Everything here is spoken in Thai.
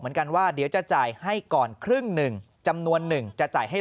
เหมือนกันว่าเดี๋ยวจะจ่ายให้ก่อนครึ่งหนึ่งจำนวนหนึ่งจะจ่ายให้